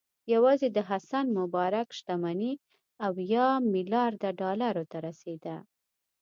یوازې د حسن مبارک شتمني اویا میلیارده ډالرو ته رسېده.